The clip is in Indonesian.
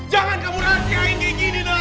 jangan kamu rahasiain gigi ini nailah